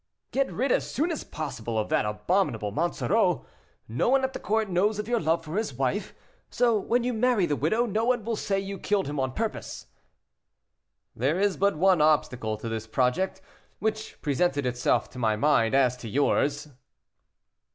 "Get rid as soon as possible of that abominable Monsoreau; no one at the court knows of your love for his wife, so when you marry the widow, no one will say you killed him on purpose." "There is but one obstacle to this project, which presented itself to my mind, as to yours."